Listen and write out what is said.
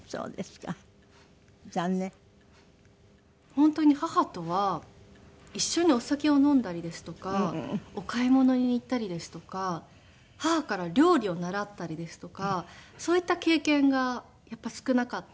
本当に母とは一緒にお酒を飲んだりですとかお買い物に行ったりですとか母から料理を習ったりですとかそういった経験がやっぱり少なかった。